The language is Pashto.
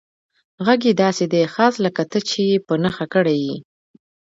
غږ یې داسې دی، خاص لکه ته چې یې په نښه کړی یې.